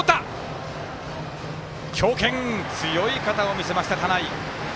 強肩強い肩を見せました、田内。